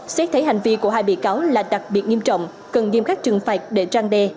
xét thấy hành vi của hai bị cáo là đặc biệt nghiêm trọng cần nghiêm khắc trừng phạt để trang đe